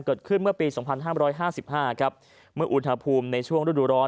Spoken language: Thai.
เกิดขึ้นเมื่อปี๒๕๕๕ครับเมื่ออุณหภูมิในช่วงฤดูร้อน